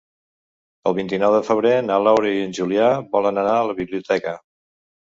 El vint-i-nou de febrer na Laura i en Julià volen anar a la biblioteca.